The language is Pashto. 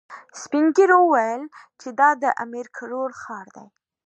سپين ږيرو ويل چې دا د امير کروړ ښار و.